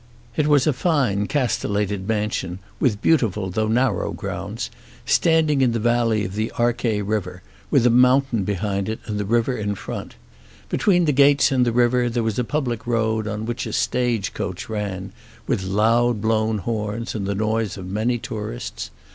It was a fine castellated mansion, with beautiful though narrow grounds, standing in the valley of the Archay River, with a mountain behind and the river in front. Between the gates and the river there was a public road on which a stage coach ran, with loud blown horns and the noise of many tourists.